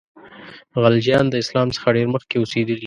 خلجیان د اسلام څخه ډېر مخکي اوسېدلي.